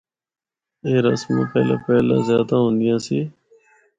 اے رسماں پہلا پہلا زیادہ ہوندیاں سی۔